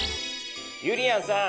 ゆりやんさん。